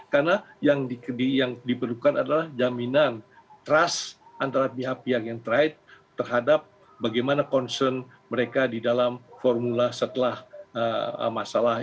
karena yang diperlukan adalah jaminan trust antara pihak pihak yang terhadap bagaimana concern mereka di dalam formula setelah masalah